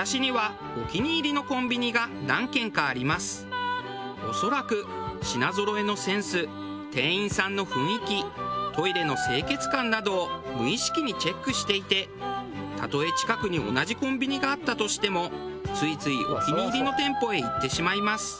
私には恐らく品ぞろえのセンス店員さんの雰囲気トイレの清潔感などを無意識にチェックしていてたとえ近くに同じコンビニがあったとしてもついついお気に入りの店舗へ行ってしまいます。